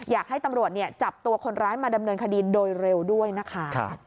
อยากให้ตำรวจจับตัวคนร้ายมาดำเนินคดีโดยเร็วด้วยนะคะ